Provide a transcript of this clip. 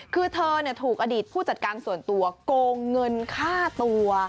คือเธอถูกอดีตผู้จัดการส่วนตัวโกงเงินฆ่าตัว